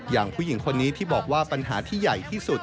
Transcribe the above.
อย่างผู้หญิงคนนี้ที่บอกว่าปัญหาที่ใหญ่ที่สุด